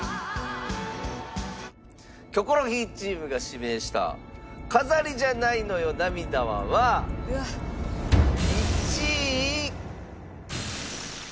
キョコロヒーチームが指名した『飾りじゃないのよ涙は』は１位。